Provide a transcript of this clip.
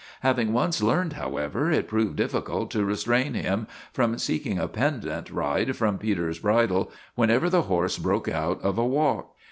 Having once learned, however, it proved difficult to restrain him from seeking a pendant ride from Peter's bridle whenever the horse broke out of a walk.